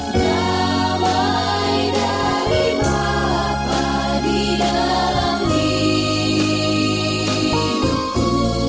damai dari bapak di dalam hidupku